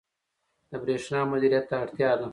• د برېښنا مدیریت ته اړتیا ده.